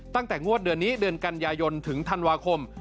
ตั้งแต่งวดเดือนนี้เดือนกันยายนถึงธันวาคม